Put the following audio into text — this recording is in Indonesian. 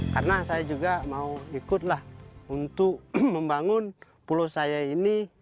karena saya juga mau ikutlah untuk membangun pulau saya ini